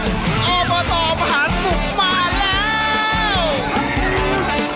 ออมเบอร์โตมหาสนุกมาแล้ว